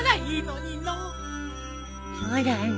そうだね。